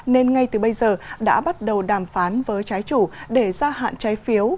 nên ngay từ bây giờ đã bắt đầu đàm phán với trái chủ để gia hạn trái phiếu